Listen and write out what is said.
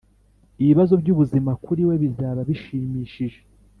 ibibazo byubuzima kuri we bizaba bishimishije